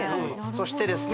そしてですね